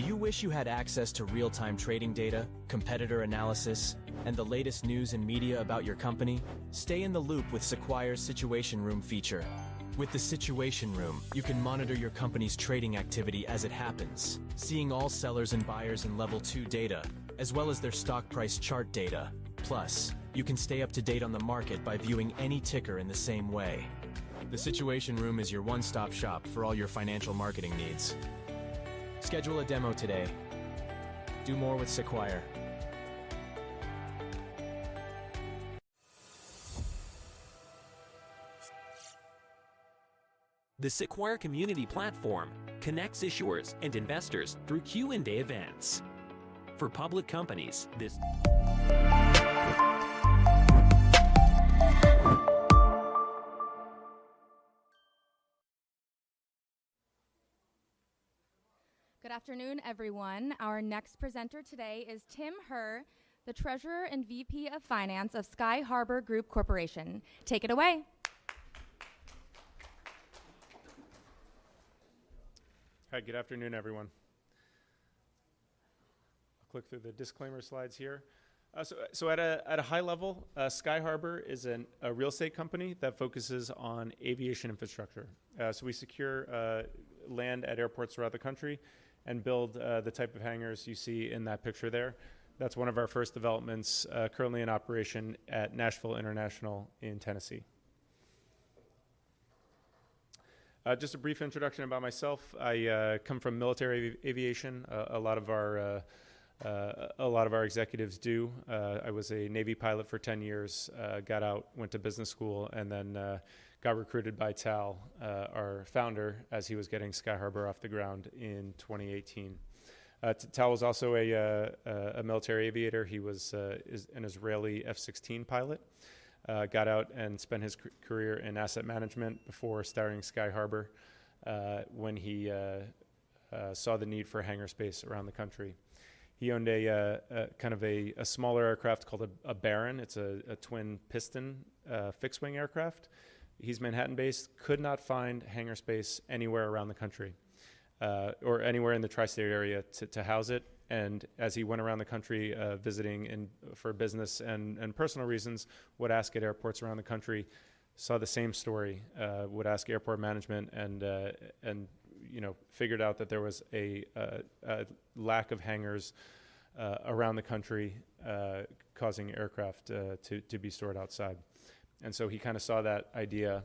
Do you wish you had access to real-time trading data, competitor analysis, and the latest news and media about your company? Stay in the loop with Sequoia's Situation Room feature. With the Situation Room, you can monitor your company's trading activity as it happens, seeing all sellers and buyers in Level 2 data, as well as their stock price chart data. Plus, you can stay up to date on the market by viewing any ticker in the same way. The Situation Room is your one-stop shop for all your financial marketing needs. Schedule a demo today. Do more with Sequoia. The Sequoia Community Platform connects issuers and investors through Q&A events. For public companies, this. Good afternoon, everyone. Our next presenter today is Tim Herr, the Treasurer and VP of Finance of Sky Harbour Group Corporation. Take it away. Hi, good afternoon, everyone. I'll click through the disclaimer slides here. So at a high level, Sky Harbour is a real estate company that focuses on aviation infrastructure. So we secure land at airports throughout the country and build the type of hangars you see in that picture there. That's one of our first developments currently in operation at Nashville International in Tennessee. Just a brief introduction about myself: I come from military aviation. A lot of our executives do. I was a Navy pilot for 10 years, got out, went to business school, and then got recruited by Tal, our founder, as he was getting Sky Harbour off the ground in 2018. Tal was also a military aviator. He was an Israeli F-16 pilot. Got out and spent his career in asset management before starting Sky Harbour when he saw the need for hangar space around the country. He owned kind of a smaller aircraft called a Baron. It's a twin-piston fixed-wing aircraft. He's Manhattan-based. Could not find hangar space anywhere around the country or anywhere in the Tri-State area to house it, and as he went around the country visiting for business and personal reasons, would ask at airports around the country, saw the same story, would ask airport management, and figured out that there was a lack of hangars around the country causing aircraft to be stored outside, and so he kind of saw that idea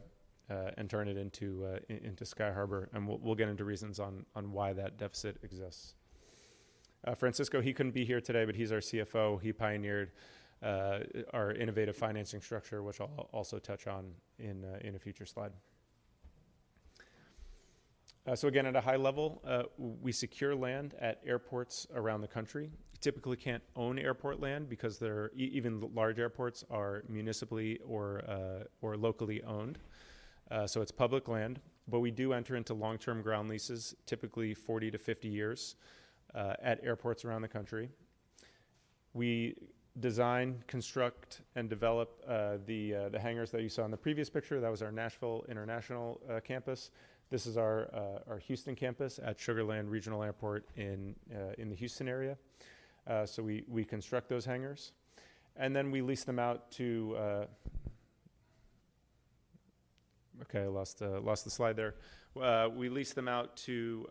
and turned it into Sky Harbour, and we'll get into reasons on why that deficit exists. Francisco, he couldn't be here today, but he's our CFO. He pioneered our innovative financing structure, which I'll also touch on in a future slide, so again, at a high level, we secure land at airports around the country. Typically, can't own airport land because even large airports are municipally or locally owned. So it's public land. But we do enter into long-term ground leases, typically 40-50 years, at airports around the country. We design, construct, and develop the hangars that you saw in the previous picture. That was our Nashville International campus. This is our Houston campus at Sugar Land Regional Airport in the Houston area. So we construct those hangars. And then we lease them out to, okay, I lost the slide there. We lease them out to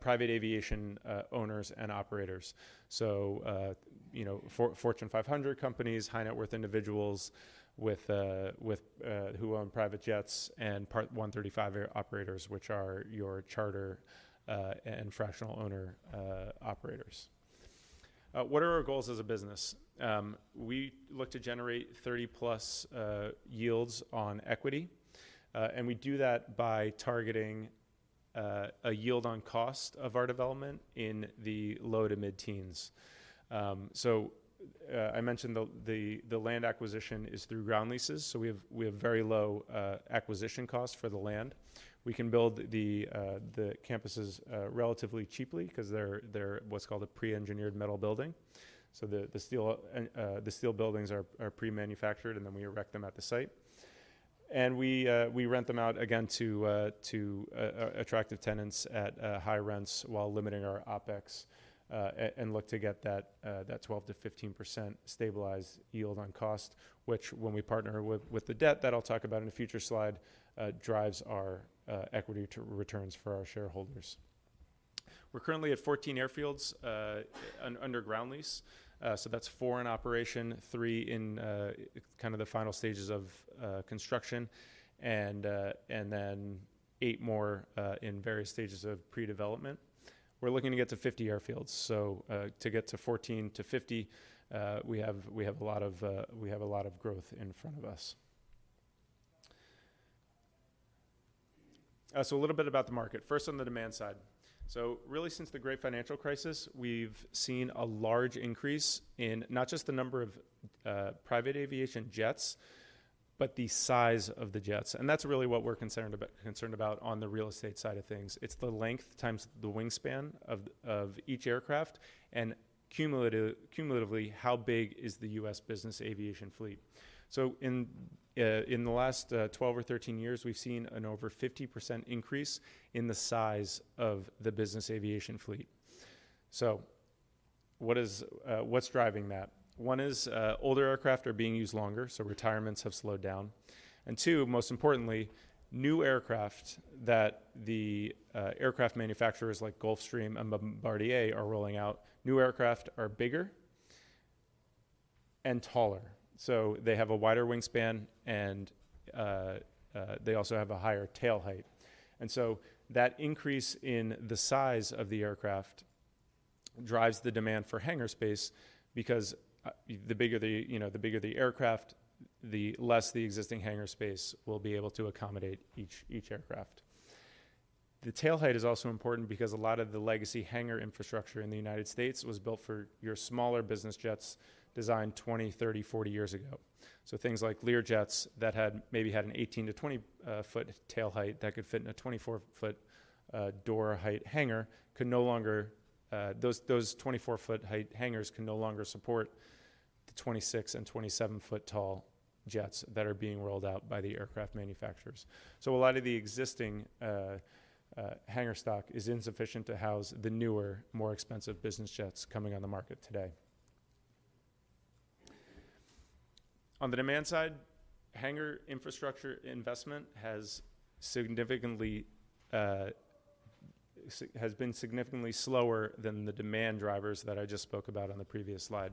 private aviation owners and operators. So Fortune 500 companies, high-net-worth individuals who own private jets, and Part 135 operators, which are your charter and fractional owner operators. What are our goals as a business? We look to generate 3-plus yields on equity. We do that by targeting a yield on cost of our development in the low- to mid-teens. So I mentioned the land acquisition is through ground leases. So we have very low acquisition costs for the land. We can build the campuses relatively cheaply because they're what's called a pre-engineered metal building. So the steel buildings are pre-manufactured, and then we erect them at the site. And we rent them out, again, to attractive tenants at high rents while limiting our OpEx and look to get that 12%-15% stabilized yield on cost, which, when we partner with the debt—that I'll talk about in a future slide—drives our equity returns for our shareholders. We're currently at 14 airfields under ground lease. So that's four in operation, three in kind of the final stages of construction, and then eight more in various stages of pre-development. We're looking to get to 50 airfields. To get to 14 to 50, we have a lot of growth in front of us. A little bit about the market. First, on the demand side. Really, since the great financial crisis, we've seen a large increase in not just the number of private aviation jets, but the size of the jets. And that's really what we're concerned about on the real estate side of things. It's the length times the wingspan of each aircraft and cumulatively how big is the U.S. business aviation fleet. In the last 12 or 13 years, we've seen an over 50% increase in the size of the business aviation fleet. What's driving that? One is older aircraft are being used longer, so retirements have slowed down. And two, most importantly, new aircraft that the aircraft manufacturers like Gulfstream and Bombardier are rolling out, new aircraft are bigger and taller. So they have a wider wingspan, and they also have a higher tail height. And so that increase in the size of the aircraft drives the demand for hangar space because the bigger the aircraft, the less the existing hangar space will be able to accommodate each aircraft. The tail height is also important because a lot of the legacy hangar infrastructure in the United States was built for your smaller business jets designed 20, 30, 40 years ago. So things like Learjets that maybe had an 18-20-foot tail height that could fit in a 24-foot door height hangar could no longer, those 24-foot height hangars could no longer support the 26- and 27-foot-tall jets that are being rolled out by the aircraft manufacturers. A lot of the existing hangar stock is insufficient to house the newer, more expensive business jets coming on the market today. On the demand side, hangar infrastructure investment has been significantly slower than the demand drivers that I just spoke about on the previous slide.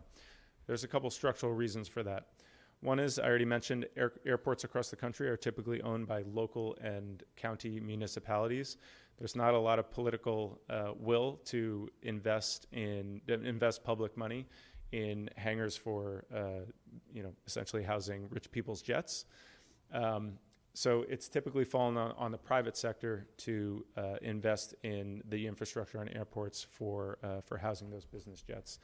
There's a couple of structural reasons for that. One is, I already mentioned, airports across the country are typically owned by local and county municipalities. There's not a lot of political will to invest public money in hangars for essentially housing rich people's jets. So it's typically fallen on the private sector to invest in the infrastructure on airports for housing those business jets.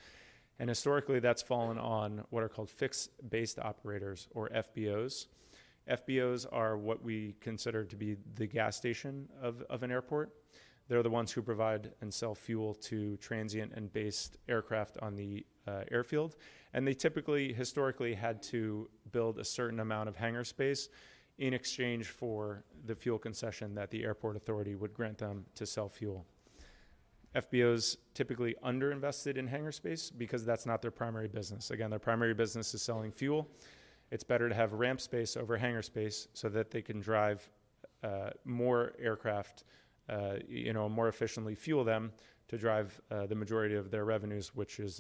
And historically, that's fallen on what are called fixed-base operators, or FBOs. FBOs are what we consider to be the gas station of an airport. They're the ones who provide and sell fuel to transient and based aircraft on the airfield, and they typically, historically, had to build a certain amount of hangar space in exchange for the fuel concession that the airport authority would grant them to sell fuel. FBOs typically underinvested in hangar space because that's not their primary business. Again, their primary business is selling fuel. It's better to have ramp space over hangar space so that they can drive more aircraft, more efficiently fuel them to drive the majority of their revenues, which is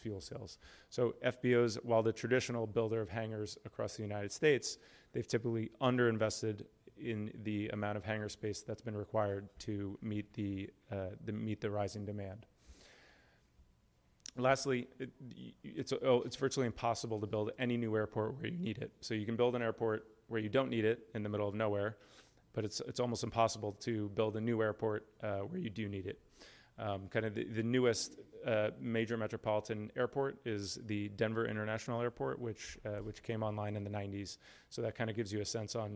fuel sales, so FBOs, while the traditional builder of hangars across the United States, they've typically underinvested in the amount of hangar space that's been required to meet the rising demand. Lastly, it's virtually impossible to build any new airport where you need it. You can build an airport where you don't need it in the middle of nowhere, but it's almost impossible to build a new airport where you do need it. The newest major metropolitan airport is the Denver International Airport, which came online in the 1990s. That kind of gives you a sense of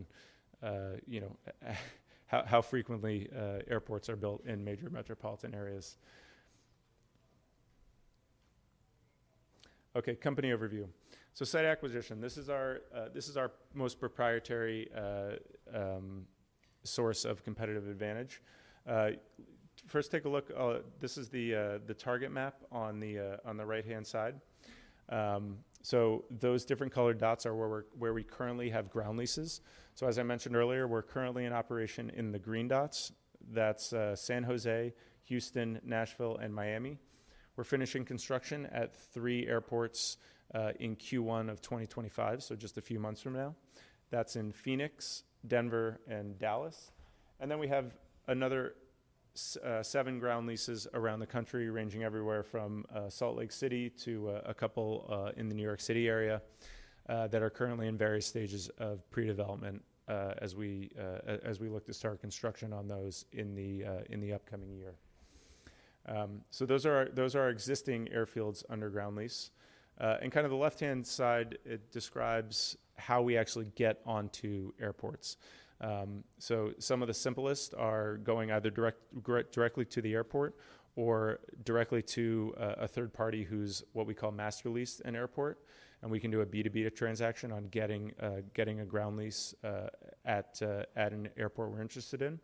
how frequently airports are built in major metropolitan areas. Okay, company overview. Site acquisition. This is our most proprietary source of competitive advantage. First, take a look. This is the target map on the right-hand side. Those different colored dots are where we currently have ground leases. As I mentioned earlier, we're currently in operation in the green dots. That's San Jose, Houston, Nashville, and Miami. We're finishing construction at three airports in Q1 of 2025, so just a few months from now. That's in Phoenix, Denver, and Dallas. And then we have another seven ground leases around the country ranging everywhere from Salt Lake City to a couple in the New York City area that are currently in various stages of pre-development as we look to start construction on those in the upcoming year. So those are our existing airfields under ground lease. And kind of the left-hand side, it describes how we actually get onto airports. So some of the simplest are going either directly to the airport or directly to a third party who's what we call master lease an airport. And we can do a B2B transaction on getting a ground lease at an airport we're interested in.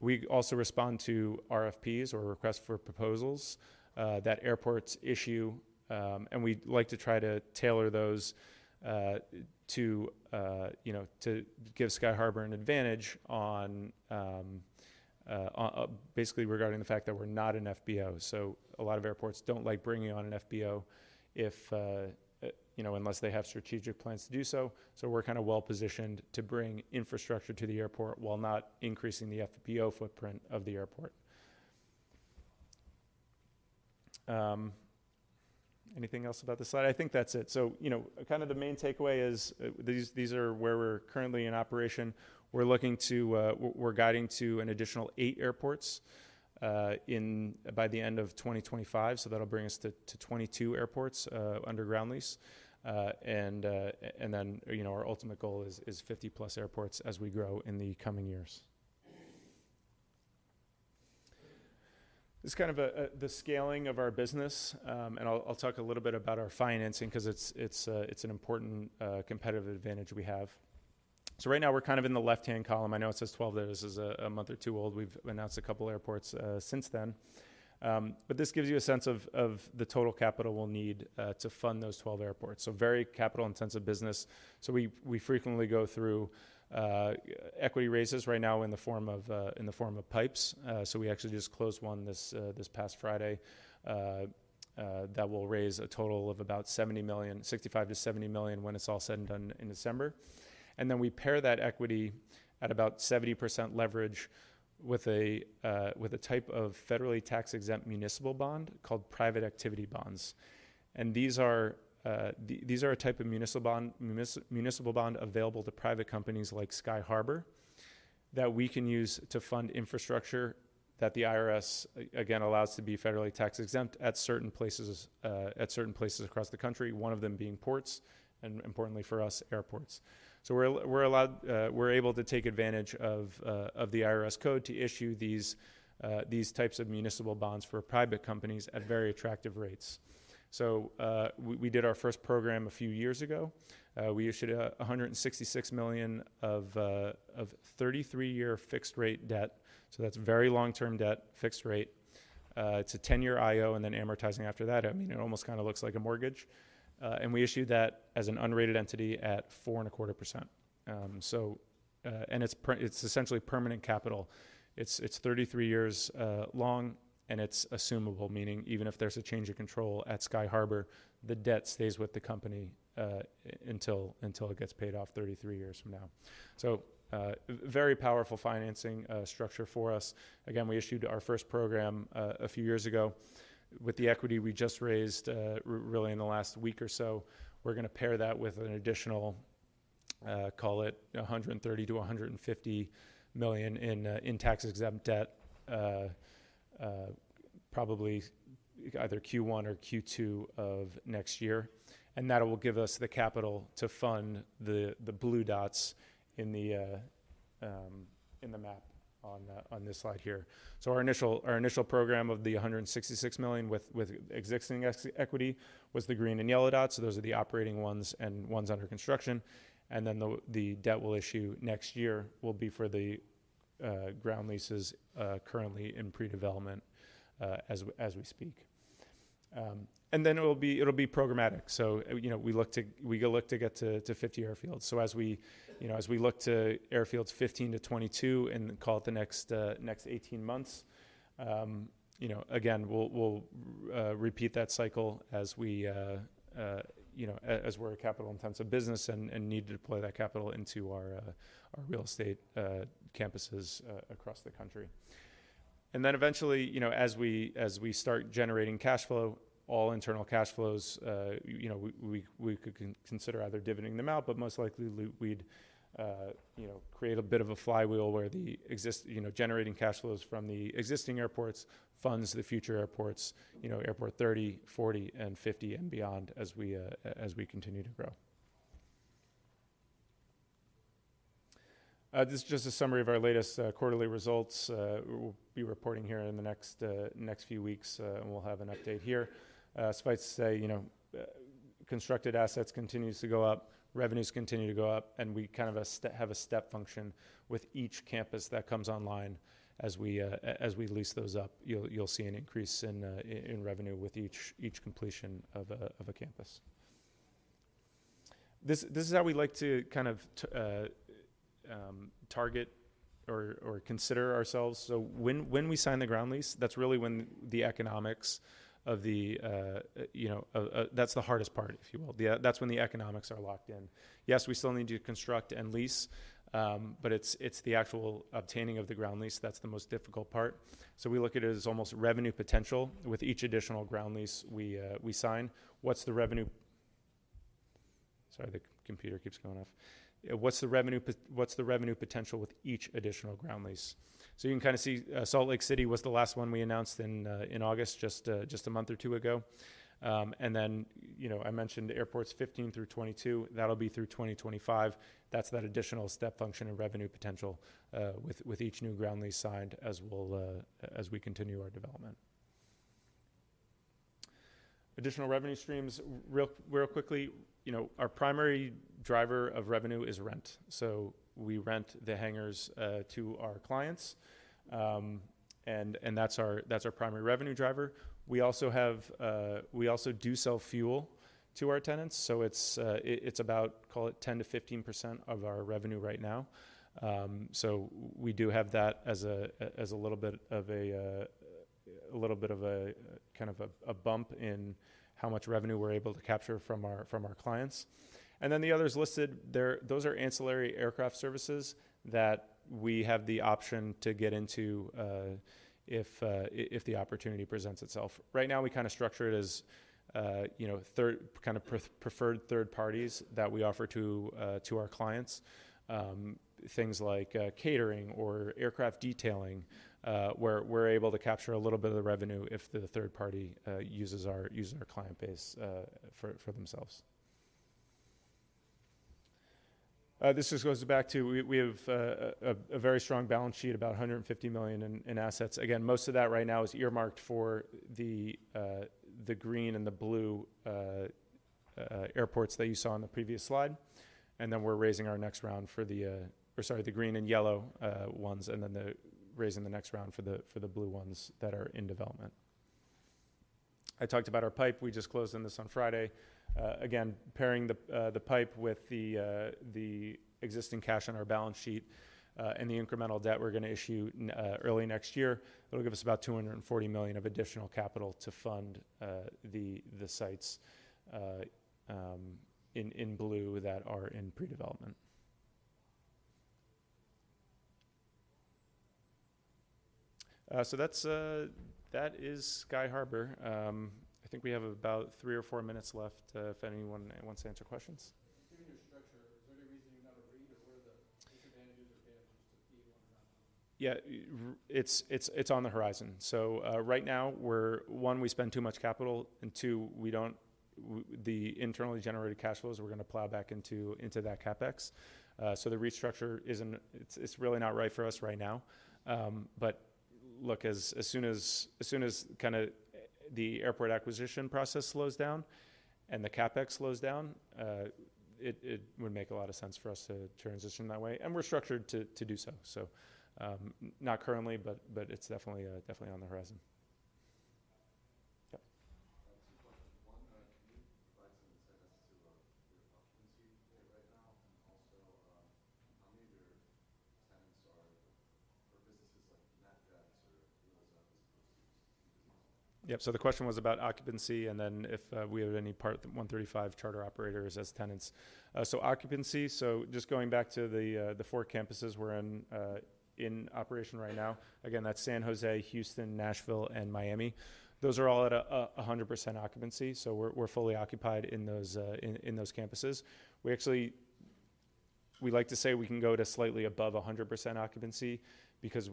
We also respond to RFPs or requests for proposals that airports issue. And we like to try to tailor those to give Sky Harbour an advantage on basically regarding the fact that we're not an FBO. A lot of airports don't like bringing on an FBO unless they have strategic plans to do so. So we're kind of well-positioned to bring infrastructure to the airport while not increasing the FBO footprint of the airport. Anything else about the slide? I think that's it. So kind of the main takeaway is these are where we're currently in operation. We're guiding to an additional eight airports by the end of 2025. So that'll bring us to 22 airports under ground lease. And then our ultimate goal is 50-plus airports as we grow in the coming years. This is kind of the scaling of our business. And I'll talk a little bit about our financing because it's an important competitive advantage we have. So right now, we're kind of in the left-hand column. I know it says 12 of those is a month or two old. We've announced a couple of airports since then, but this gives you a sense of the total capital we'll need to fund those 12 airports, so very capital-intensive business, so we frequently go through equity raises right now in the form of PIPEs, so we actually just closed one this past Friday that will raise a total of about $65 million-$70 million when it's all said and done in December, and then we pair that equity at about 70% leverage with a type of federally tax-exempt municipal bond called Private Activity Bonds, and these are a type of municipal bond available to private companies like Sky Harbour that we can use to fund infrastructure that the IRS, again, allows to be federally tax-exempt at certain places across the country, one of them being ports and, importantly for us, airports. So we're able to take advantage of the IRS code to issue these types of municipal bonds for private companies at very attractive rates. So we did our first program a few years ago. We issued $166 million of 33-year fixed-rate debt. So that's very long-term debt, fixed rate. It's a 10-year IO and then amortizing after that. I mean, it almost kind of looks like a mortgage. And we issued that as an unrated entity at 4.25%. And it's essentially permanent capital. It's 33 years long, and it's assumable, meaning even if there's a change of control at Sky Harbour, the debt stays with the company until it gets paid off 33 years from now. So very powerful financing structure for us. Again, we issued our first program a few years ago with the equity we just raised really in the last week or so. We're going to pair that with an additional, call it $130 million-$250 million in tax-exempt debt, probably either Q1 or Q2 of next year. And that will give us the capital to fund the blue dots in the map on this slide here. So our initial program of the $166 million with existing equity was the green and yellow dots. So those are the operating ones and ones under construction. And then the debt we'll issue next year will be for the ground leases currently in pre-development as we speak. And then it'll be programmatic. So we look to get to 50 airfields. So as we look to airfields 15-22 and call it the next 18 months, again, we'll repeat that cycle as we're a capital-intensive business and need to deploy that capital into our real estate campuses across the country. Then eventually, as we start generating cash flow, all internal cash flows, we could consider either dividending them out, but most likely we'd create a bit of a flywheel where the generating cash flows from the existing airports funds the future airports, Airport 30, 40, and 50 and beyond as we continue to grow. This is just a summary of our latest quarterly results. We'll be reporting here in the next few weeks, and we'll have an update here. Since constructed assets continue to go up, revenues continue to go up, and we kind of have a step function with each campus that comes online. As we lease those up, you'll see an increase in revenue with each completion of a campus. This is how we like to kind of target or consider ourselves. So when we sign the ground lease, that's really when the economics of the—that's the hardest part, if you will. That's when the economics are locked in. Yes, we still need to construct and lease, but it's the actual obtaining of the ground lease that's the most difficult part. So we look at it as almost revenue potential with each additional ground lease we sign. What's the revenue—sorry, the computer keeps going off. What's the revenue potential with each additional ground lease? So you can kind of see Salt Lake City was the last one we announced in August, just a month or two ago. And then I mentioned airports 15 through 22. That'll be through 2025. That's that additional step function of revenue potential with each new ground lease signed as we continue our development. Additional revenue streams. Real quickly, our primary driver of revenue is rent. We rent the hangars to our clients, and that's our primary revenue driver. We also do sell fuel to our tenants. It's about, call it 10%-15% of our revenue right now. We do have that as a little bit of a kind of a bump in how much revenue we're able to capture from our clients. The others listed, those are ancillary aircraft services that we have the option to get into if the opportunity presents itself. Right now, we kind of structure it as kind of preferred third parties that we offer to our clients, things like catering or aircraft detailing, where we're able to capture a little bit of the revenue if the third party uses our client base for themselves. This just goes back to we have a very strong balance sheet, about $150 million in assets. Again, most of that right now is earmarked for the green and the blue airports that you saw on the previous slide, and then we're raising our next round for the—or sorry, the green and yellow ones, and then raising the next round for the blue ones that are in development. I talked about our PIPE. We just closed on this on Friday. Again, pairing the PIPE with the existing cash on our balance sheet and the incremental debt we're going to issue early next year, it'll give us about $240 million of additional capital to fund the sites in blue that are in pre-development, so that is Sky Harbour. I think we have about three or four minutes left if anyone wants to answer questions. Considering your structure, is there any reason you're not a REIT? What are the disadvantages or advantages to being one or not being one? Yeah, it's on the horizon. So right now, one, we spend too much capital, and two, the internally generated cash flows are going to plow back into that CapEx. So the restructure isn't. It's really not right for us right now. But look, as soon as kind of the airport acquisition process slows down and the CapEx slows down, it would make a lot of sense for us to transition that way. And we're structured to do so. So not currently, but it's definitely on the horizon. Yep. I have two questions. One, can you provide some insight as to your occupancy rate right now? And also, how many of your tenants are for businesses like NetJets or uncertain as opposed to just a few businesses? Yep. So the question was about occupancy and then if we have any Part 135 charter operators as tenants, so occupancy, so just going back to the four campuses we're in operation right now, again, that's San Jose, Houston, Nashville, and Miami. Those are all at 100% occupancy, so we're fully occupied in those campuses. We like to say we can go to slightly above 100% occupancy because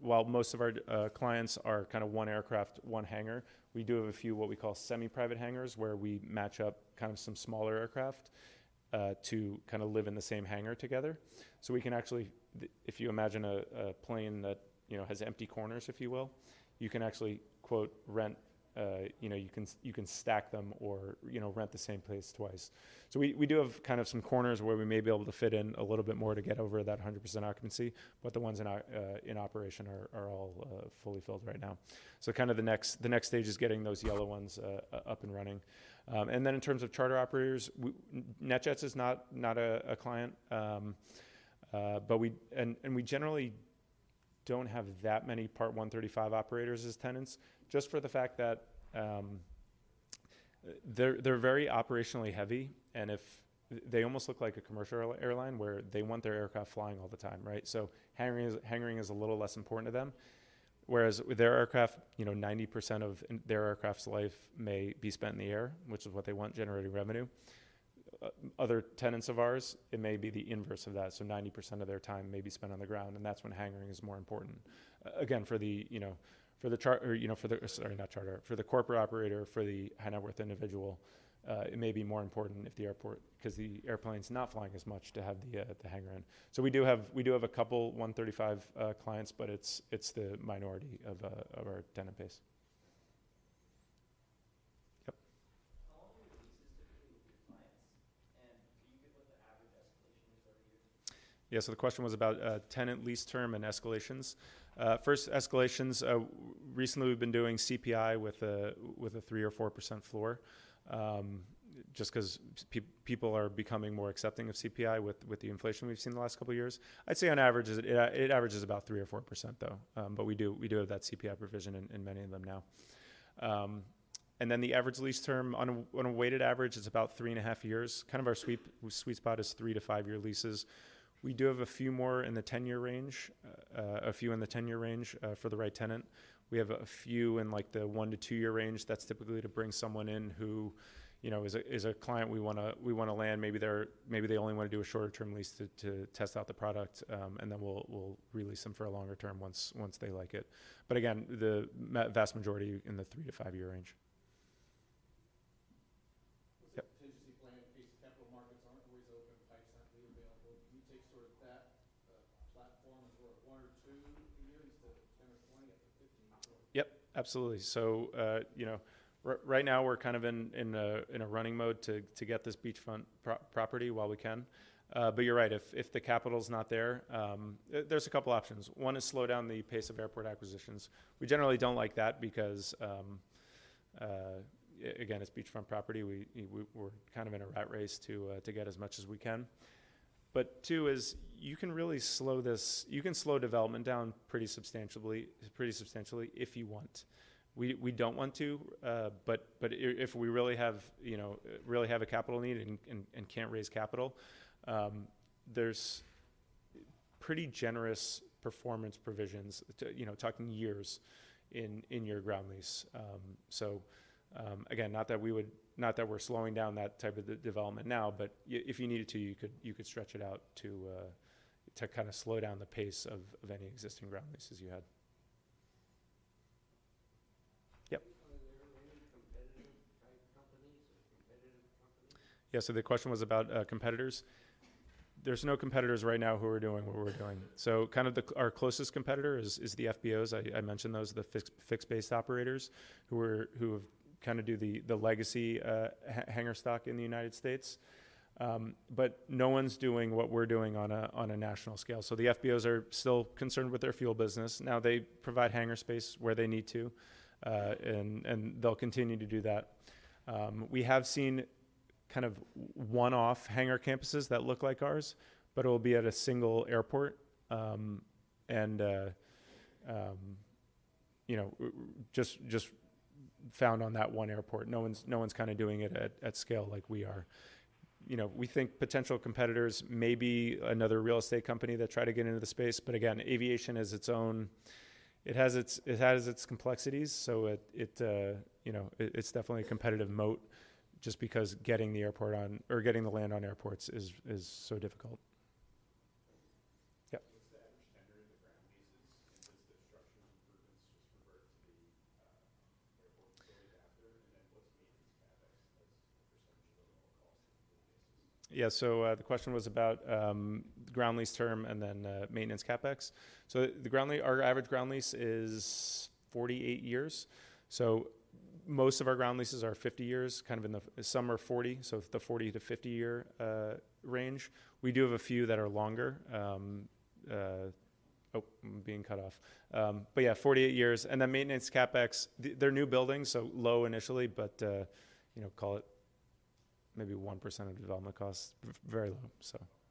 while most of our clients are kind of one aircraft, one hangar, we do have a few what we call semi-private hangars where we match up kind of some smaller aircraft to kind of live in the same hangar together, so we can actually, if you imagine a plane that has empty corners, if you will, you can actually, quote, rent - you can stack them or rent the same place twice. So we do have kind of some corners where we may be able to fit in a little bit more to get over that 100% occupancy, but the ones in operation are all fully filled right now. So kind of the next stage is getting those yellow ones up and running. And then in terms of charter operators, NetJets is not a client. And we generally don't have that many Part 135 operators as tenants, just for the fact that they're very operationally heavy. And they almost look like a commercial airline where they want their aircraft flying all the time, right? So hangaring is a little less important to them. Whereas their aircraft, 90% of their aircraft's life may be spent in the air, which is what they want, generating revenue. Other tenants of ours, it may be the inverse of that. 90% of their time may be spent on the ground. And that's when hangaring is more important. Again, for the charter, sorry, not charter. For the corporate operator, for the high-net-worth individual, it may be more important if the airport, because the airplane's not flying as much to have the hangar in. So we do have a couple 135 clients, but it's the minority of our tenant base. Yep. How long are your leases typically with your clients? And do you get what the average escalation is every year? Yeah. So the question was about tenant lease term and escalations. First, escalations. Recently, we've been doing CPI with a 3% or 4% floor just because people are becoming more accepting of CPI with the inflation we've seen the last couple of years. I'd say on average, it averages about 3% or 4%, though. But we do have that CPI provision in many of them now. And then the average lease term, on a weighted average, is about three and a half years. Kind of our sweet spot is three to five-year leases. We do have a few more in the 10-year range, a few in the 10-year range for the right tenant. We have a few in the one to two-year range. That's typically to bring someone in who is a client we want to land. Maybe they only want to do a shorter-term lease to test out the product, and then we'll re-lease them for a longer term once they like it. But again, the vast majority in the three-to-five-year range. Was there a contingency plan in case the capital markets aren't always open, PIPEs aren't really available? Can you take sort of that platform for one or two years to 10 or 20 after 15? Yep. Absolutely. So right now, we're kind of in a running mode to get this beachfront property while we can. But you're right. If the capital's not there, there's a couple of options. One is slow down the pace of airport acquisitions. We generally don't like that because, again, it's beachfront property. We're kind of in a rat race to get as much as we can. But two is you can really slow this. You can slow development down pretty substantially if you want. We don't want to, but if we really have a capital need and can't raise capital, there's pretty generous performance provisions, talking years in your ground lease. So again, not that we're slowing down that type of development now, but if you needed to, you could stretch it out to kind of slow down the pace of any existing ground leases you had. Yep. Are there any competitive type companies or competitive companies? Yeah. So the question was about competitors. There's no competitors right now who are doing what we're doing. So kind of our closest competitor is the FBOs. I mentioned those, the fixed-base operators who kind of do the legacy hangar stock in the United States. But no one's doing what we're doing on a national scale. So the FBOs are still concerned with their fuel business. Now, they provide hangar space where they need to, and they'll continue to do that. We have seen kind of one-off hangar campuses that look like ours, but it'll be at a single airport and just for that one airport. No one's kind of doing it at scale like we are. We think potential competitors may be another real estate company that tried to get into the space. But again, aviation has its own, it has its complexities. So it's definitely a competitive moat just because getting the airport on or getting the land on airports is so difficult. Yep. What's the average tenor in the ground leases? And does the structure of the permits just revert to the airport authority after? And then what's maintenance CapEx as a percentage of the overall cost in the fleet basis? Yeah. So the question was about ground lease term and then maintenance CapEx. So our average ground lease is 48 years. So most of our ground leases are 50 years, kind of some are 40, so the 40 to 50-year range. We do have a few that are longer. Oh, I'm being cut off. But yeah, 48 years. And then maintenance CapEx, they're new buildings, so low initially, but call it maybe 1% of development costs, very low, so. Yep. Thank you so much.